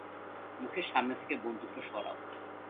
মুখের সামনে থেকে বন্দুকটা সরাও।